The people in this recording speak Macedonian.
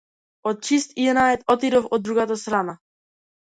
Од чист инатет отидов од другата страна.